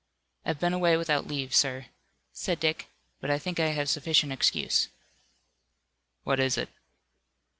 "I've been away without leave, sir," said Dick, "but I think I have sufficient excuse." "What is it?"